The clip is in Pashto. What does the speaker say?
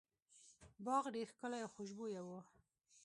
باغ ډیر ښکلی او خوشبويه و.